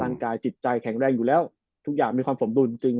ร่างกายจิตใจแข็งแรงอยู่แล้วทุกอย่างมีความสมดุลจริง